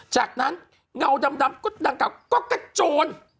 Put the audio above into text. จากนั้นเงาดำก็กระโจน